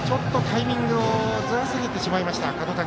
タイミングをずらされてしまいました角谷。